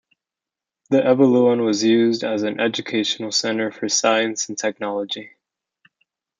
The Evoluon was used as an educational centre for science and technology.